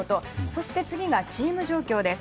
そして、次がチーム状況です。